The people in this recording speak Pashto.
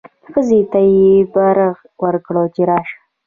ښځې ته یې برغ وکړ چې راشه.